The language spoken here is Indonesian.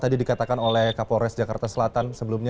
tadi dikatakan oleh kapolres jakarta selatan sebelumnya